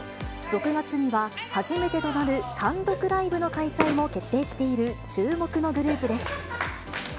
６月には初めてとなる単独ライブの開催も決定している注目のグループです。